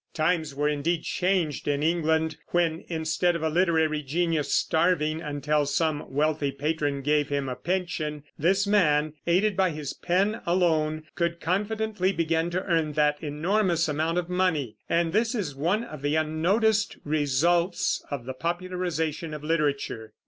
Times were indeed changed in England when, instead of a literary genius starving until some wealthy patron gave him a pension, this man, aided by his pen alone, could confidently begin to earn that enormous amount of money. And this is one of the unnoticed results of the popularization of literature.